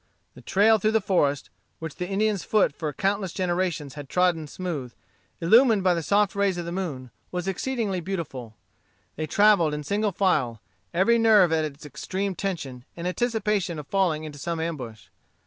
The trail through the forest, which the Indian's foot for countless generations had trodden smooth, illumined by the soft rays of the moon, was exceedingly beautiful. They travelled in single file, every nerve at its extreme tension in anticipation of falling into some ambush.